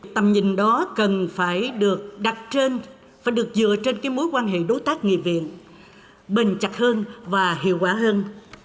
tầm nhìn đó cần phải được đặt trên và được dựa trên mối quan hệ đối tác nghị viện bền chặt hơn và hiệu quả hơn